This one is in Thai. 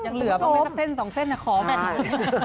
ต้องเป็นสักเส้นสองเส้นขอแม่ง